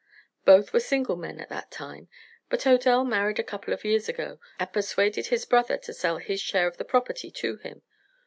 Both were single men at that time, but Odell married a couple of years ago and persuaded his brother to sell his share of the property to him.